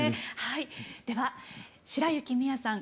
では白雪未弥さん